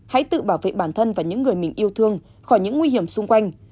hãy tự bảo vệ bản thân và những người mình yêu thương khỏi những nguy hiểm xung quanh